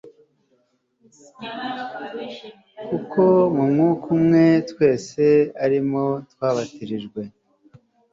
kuko mu Mwuka umwe twese ari mo twabatirijwe